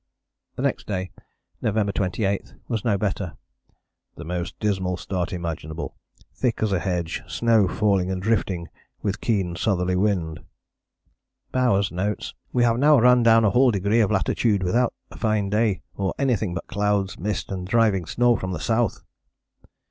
" The next day (November 28) was no better: "the most dismal start imaginable. Thick as a hedge, snow falling and drifting with keen southerly wind." Bowers notes: "We have now run down a whole degree of latitude without a fine day, or anything but clouds, mist, and driving snow from the south."